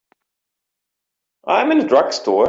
I'm in a drugstore.